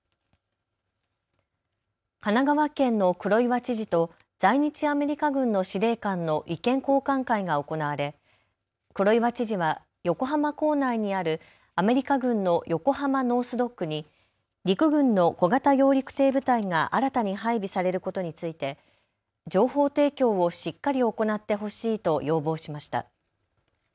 神奈川県の黒岩知事と在日アメリカ軍の司令官の意見交換会が行われ、黒岩知事は横浜港内にあるアメリカ軍の横浜ノース・ドックに陸軍の小型揚陸艇部隊が新たに配備されることについて情報提供をしっかり行ってほしいと要望しました。